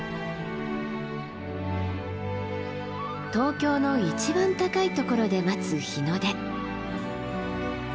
東京の一番高いところで待つ日の出。